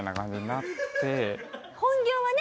本業はね